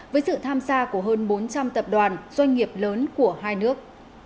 với sự tham gia của hơn bốn trăm linh tập đoàn doanh nghiệp lớn của hai nước